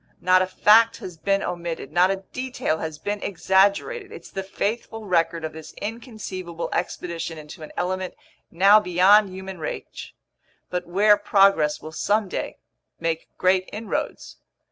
Not a fact has been omitted, not a detail has been exaggerated. It's the faithful record of this inconceivable expedition into an element now beyond human reach, but where progress will someday make great inroads.